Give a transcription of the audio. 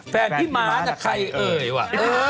แฟนที่มาธะใครเอ่ยวะ